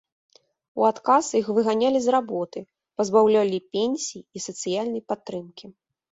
У адказ іх выганялі з работы, пазбаўлялі пенсій і сацыяльнай падтрымкі.